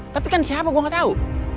tapi kan siapa gue gak tau